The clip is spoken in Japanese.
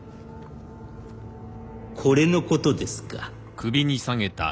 これのことですか。